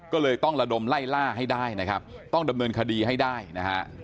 ก็เลยต้องระดมไล่ล่าให้ได้นะครับต้องดำเนินคดีให้ได้นะฮะ